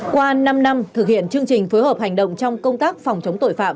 qua năm năm thực hiện chương trình phối hợp hành động trong công tác phòng chống tội phạm